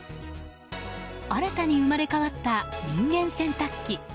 新たに生まれ変わった人間洗濯機。